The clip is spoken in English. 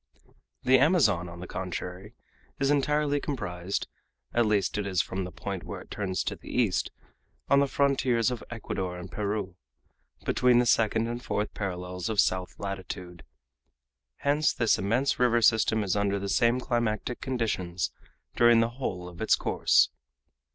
The Amazon, on the contrary, is entirely comprised at least it is from the point where it turns to the east, on the frontiers of Ecuador and Peru between the second and fourth parallels of south latitude. Hence this immense river system is under the same climatic conditions during the whole of its course.